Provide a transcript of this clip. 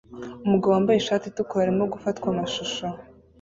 Umugabo wambaye ishati itukura arimo gufatwa amashusho